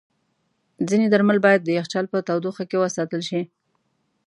ځینې درمل باید د یخچال په تودوخه کې وساتل شي.